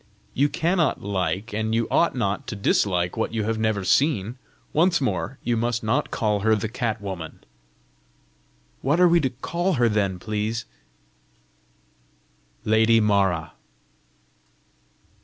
"You cannot like, and you ought not to dislike what you have never seen. Once more, you must not call her the cat woman!" "What are we to call her then, please?" "Lady Mara."